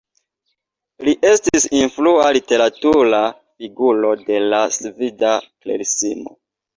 Li estis influa literatura figuro de la sveda Klerismo.